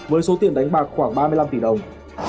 với số tiền đánh bạc khoảng ba mươi năm tỷ đồng